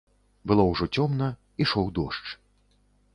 Было ўжо цёмна, ішоў дождж.